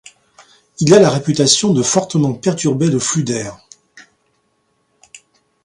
Il a la réputation de fortement perturber le flux d'air.